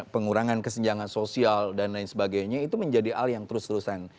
pengurangan kesenjangan sosial dan lain sebagainya itu menjadi hal yang terus terusan